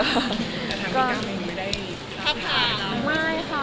แต่ทางพี่ก้าวไม่ได้พักค่ะ